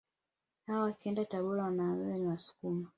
Hawa wakienda Tabora wanaambiwa ni Wasukuma